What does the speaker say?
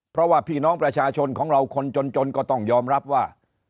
เพราะว่าพี่น้องประชาชนของเราคนจนก็ต้องยอมรับว่า